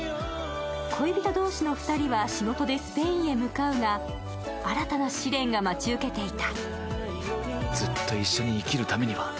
恋人同士の２人は仕事でスペインへ向かうが新たな試練が待ち受けていた。